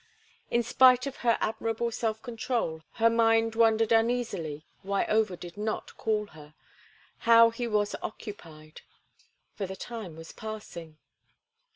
In spite of her admirable self control her mind wondered uneasily why Over did not call her, how he was occupied; for the time was passing.